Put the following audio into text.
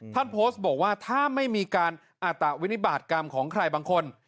ท่านโพสต์บอกว่าถ้าไม่มีการอาตะวินิบาตกรรมของใครบางคน